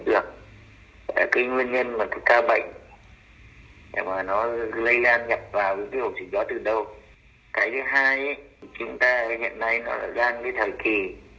điều này khiến nhiều người dân phấn khởi